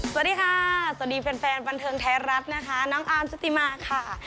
สวัสดีค่ะสวัสดีแฟนแฟนบันเทิงไทยรัฐนะคะน้องอาร์มชุติมาค่ะ